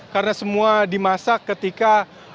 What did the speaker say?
karena semua dimasak ketika